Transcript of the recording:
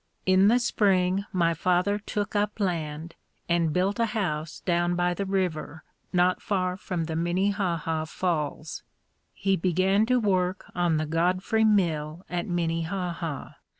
In the spring my father took up land and built a house down by the river not far from the Minnehaha Falls. He began to work on the Godfrey mill at Minnehaha.